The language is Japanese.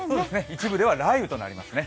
一部では雷雨となります。